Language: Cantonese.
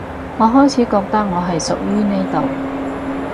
我開始覺得我係屬於呢度